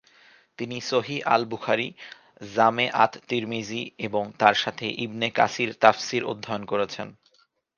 তিনি সহিহ আল-বুখারী, জামে আত-তিরমিযী এবং তাঁর সাথে ইবনে কাসির তাফসির অধ্যয়ন করেছেন।